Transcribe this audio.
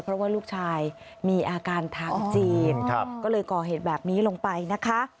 เพราะว่าลูกชายมีอาการทางจีนก็เลยก่อเหตุแบบนี้ลงไปนะคะ